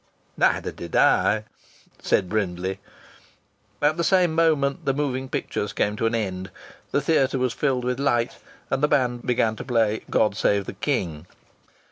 "Neither did I," said Brindley. At the same moment the moving pictures came to an end, the theatre was filled with light, and the band began to play "God Save the King."